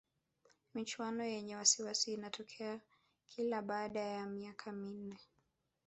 michuano yenye wasiwasi inatokea kila baada ya miaka minne